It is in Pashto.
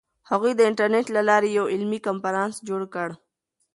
هغوی د انټرنیټ له لارې یو علمي کنفرانس جوړ کړ.